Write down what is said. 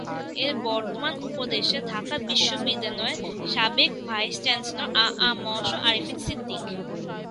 এর বর্তমান উপদেষ্টা ঢাকা বিশ্ববিদ্যালয়ের সাবেক ভাইস চ্যান্সেলর আ আ ম স আরেফিন সিদ্দিক